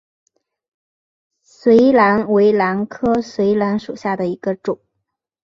笋兰为兰科笋兰属下的一个种。